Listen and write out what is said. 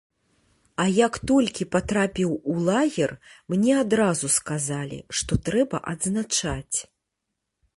А як толькі патрапіў у лагер, мне адразу сказалі, што трэба адзначаць.